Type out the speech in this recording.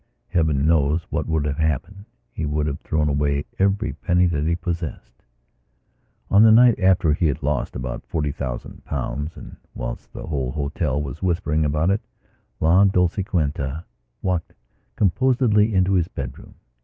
Heaven knows what would have happened; he would have thrown away every penny that he possessed. On the night after he had lost about forty thousand pounds and whilst the whole hotel was whispering about it, La Dolciquita walked composedly into his bedroom.